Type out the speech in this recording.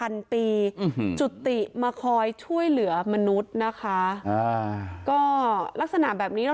มีอายุกว่า๗๐๐๐ปี